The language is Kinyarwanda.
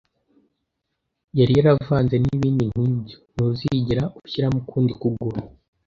yari yaravanze nibindi nkibyo, ntuzigera ushyiramo ukundi kuguru